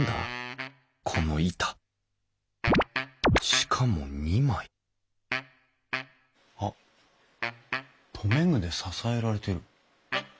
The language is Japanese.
しかも２枚あっ留め具で支えられてる。